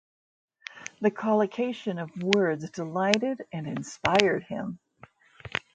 The collocation of words delighted and inspired him.